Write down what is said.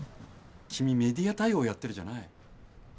君メディア対応やってるじゃない？